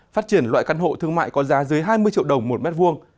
phát triển loại căn hộ thương mại có giá dưới hai mươi triệu đồng một mét vuông